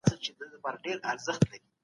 قرآن کریم د بشریت لپاره لارښود دی.